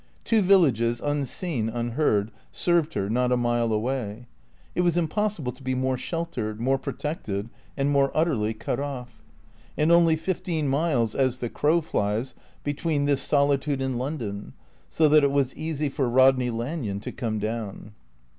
Two villages, unseen, unheard, served her, not a mile away. It was impossible to be more sheltered, more protected and more utterly cut off. And only fifteen miles, as the crow flies, between this solitude and London, so that it was easy for Rodney Lanyon to come down.